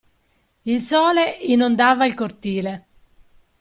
Il sole inondava il cortile.